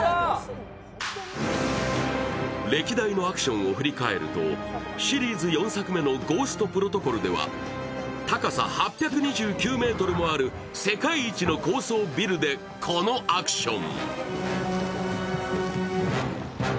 歴代のアクションを振り返るとシリーズ４作目の「ゴースト・プロトコル」では、高さ８２９ｍもある世界一の高層ビルでこのアクション。